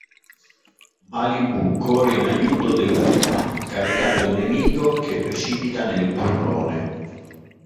Malibu corre in aiuto del puma, caricando il nemico che precipita nel burrone.